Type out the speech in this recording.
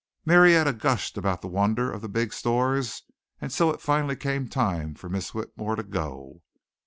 Marietta gushed about the wonder of the big stores and so it finally came time for Miss Whitmore to go.